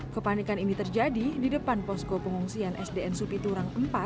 kepanikan ini terjadi di depan posko pengungsian sdn supiturang empat